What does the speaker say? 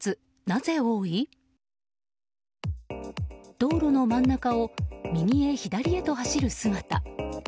道路の真ん中を右へ左へと走る姿。